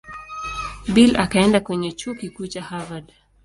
Bill akaenda kwenye Chuo Kikuu cha Harvard.